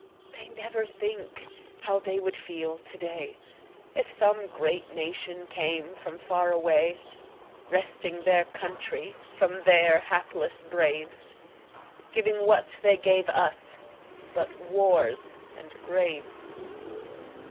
They never think how they would feel to day, If some great nation came from far away, Wresting their country from their hapless braves, Giving what they gave us but wars and graves.